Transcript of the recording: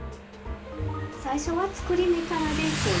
最初は作り目からです。